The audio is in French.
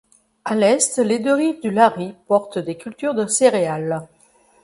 À l’est, les deux rives du Lary portent des cultures de céréales.